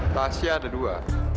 tasya ada dua